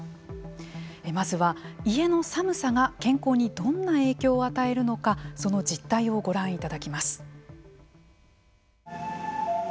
まずは、家の寒さが健康にどんな影響を与えるのかその実態をご覧いただきます。